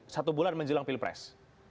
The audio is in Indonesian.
satu bulan menjelang pilpres